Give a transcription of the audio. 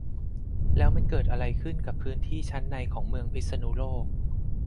แล้วมันเกิดอะไรขึ้นกับพื้นที่ชั้นในของเมืองพิษณุโลก